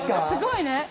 すごいね。